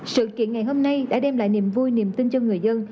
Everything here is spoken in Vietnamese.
sự kiện ngày hôm nay đã đem lại niềm vui niềm tin cho người dân